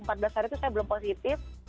empat belas hari itu saya belum positif